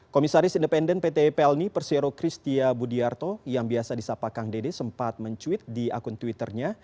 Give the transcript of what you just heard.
komisaris independen pt pelni persero kristia budiarto yang biasa disapakang dede sempat mencuit di akun twitternya